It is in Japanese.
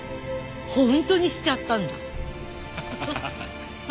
本当にしちゃったんだ？